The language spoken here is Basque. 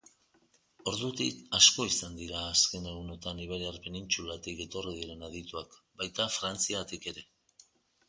Ordutik asko izan dira azken egunetan Iberiar Penintsulatik etorri diren adituak, baita Frantziatik ere